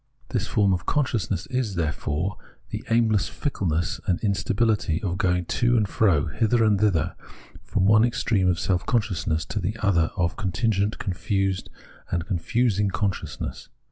This form of consciousness is, therefore, the aimless fickleness and instabihty of going to and fro, hither and thither, from one extreme of self same self consciousness, to the other of contingent, confused and confusing conscious ness.